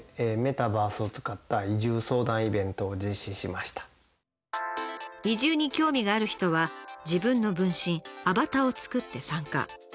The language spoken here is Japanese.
こちらは宇陀市の移住に興味がある人は自分の分身アバターを作って参加。